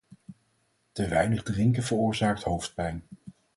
Te weinig drinken veroorzaakt hoofdpijn